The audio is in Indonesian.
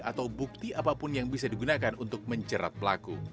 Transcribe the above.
atau bukti apapun yang bisa digunakan untuk menjerat pelaku